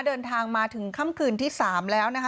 เดินทางมาถึงค่ำคืนที่๓แล้วนะคะ